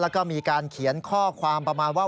แล้วก็มีการเขียนข้อความประมาณว่า